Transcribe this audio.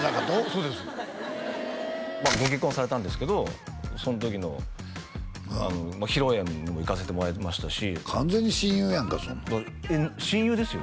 そうですご結婚されたんですけどその時の披露宴も行かせてもらいましたし完全に親友やんかそんなん親友ですよ